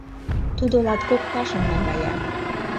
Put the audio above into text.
Тудо латкок кашым наҥгая.